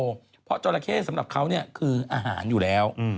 เพราะจราเข้สำหรับเขาเนี่ยคืออาหารอยู่แล้ว